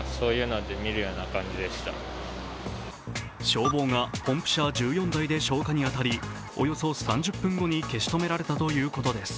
消防がポンプ車１４台で消火に当たりおよそ３０分後に消し止められたということです。